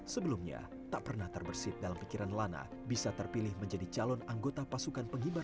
sebelumnya tak pernah terbersih dalam pikiran lana bisa terpilih menjadi calon anggota pasukan penghibar